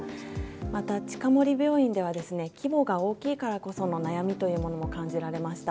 また近森病院ではですね規模が大きいからこその悩みというものも感じられました。